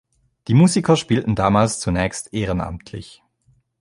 Die Musiker spielten damals zunächst „ehrenamtlich“.